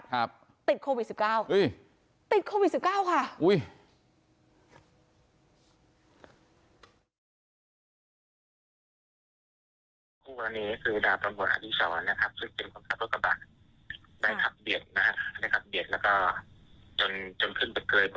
ติดโควิดสิบเก้าอุ้ยติดโควิดสิบเก้าค่ะอุ้ย